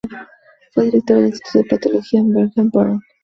Fue directora del Instituto de Patología Bernhard Baron.